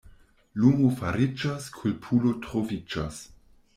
Lumo fariĝos, kulpulo troviĝos.